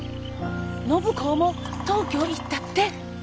暢子も東京行ったって？